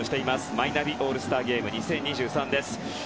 マイナビオールスターゲーム２０２３です。